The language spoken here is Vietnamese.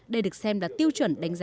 đây được xem là tiêu chuẩn đánh giá